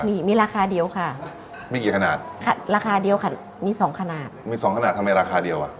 มีมีราคาเดียวค่ะมีกี่ขนาดราคาเดียวค่ะมีสองขนาดมีสองขนาดทำไมราคาเดียวอ่ะ